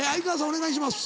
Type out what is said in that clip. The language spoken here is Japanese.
お願いします。